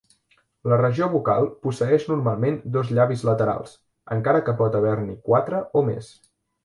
La regió bucal posseeix normalment dos llavis laterals, encara que pot haver-n'hi quatre o més.